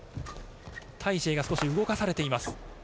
タイ・シエイが少し動かされています。